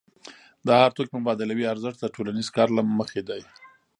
د هر توکي مبادلوي ارزښت د ټولنیز کار له مخې دی.